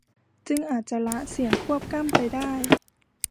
จึงอาจจะละเสียงควบกล้ำไปได้